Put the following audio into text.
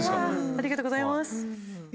ありがとうございます！